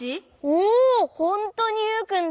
おほんとにユウくんだ。